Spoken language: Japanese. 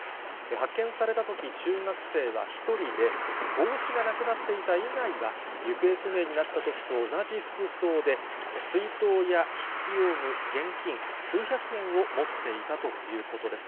発見されたとき、中学生は１人で、帽子がなくなっていた以外は、行方不明になったときと同じ服装で、水筒や筆記用具、現金数百円を持っていたということです。